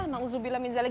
nang zubillah minjalik